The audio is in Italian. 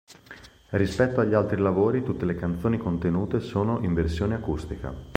Rispetto agli altri lavori, tutte le canzoni contenute sono in versione acustica.